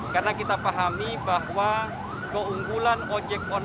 karena kita pahami bahwa keunggulan ojek online